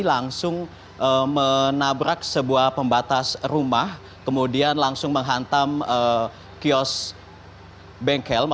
langsung menabrak sebuah pembatas rumah kemudian langsung menghantam kios bengkel